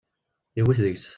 Yewwet deg-s.